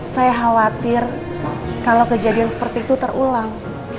saya khawatir kalau kejadian seperti itu terulang